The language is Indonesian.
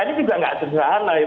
ini juga gak sederhana